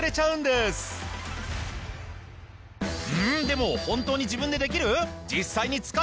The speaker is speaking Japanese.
うんでも本当に自分でできる？